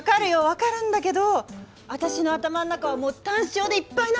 分かるんだけど私の頭の中はもうタン塩でいっぱいなのよ！